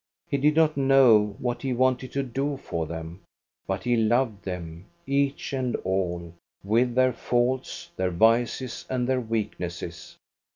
He did not know what he wanted to do for them, but he loved them, each and all, with their faults, their vices and their weaknesses.